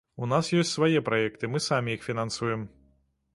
У нас ёсць свае праекты, мы самі іх фінансуем.